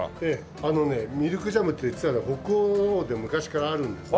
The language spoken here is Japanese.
あのねミルクジャムって実はね北欧の方で昔からあるんですね。